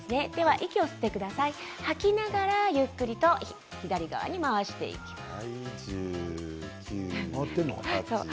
息を吸って吐きながらゆっくりと左側に回していきます。